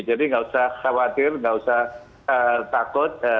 jadi nggak usah khawatir nggak usah takut